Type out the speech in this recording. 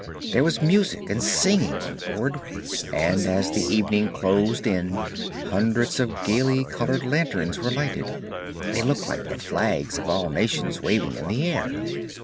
There was music and singing on board, and as the evening closed in hundreds of gaily coloured lanterns were lighted they looked like the flags of all nations waving in the air.